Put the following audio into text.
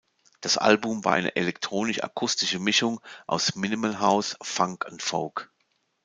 Das Album war eine elektronisch-akustische Mischung aus Minimal House, Funk und Folk.